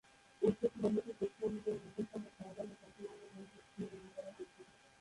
উক্ত শিলালিপির তথ্য অনুযায়ী, মুঘল সম্রাট শাহজাহানের শাসনামলে মসজিদটি নির্মাণ করা হয়েছিল।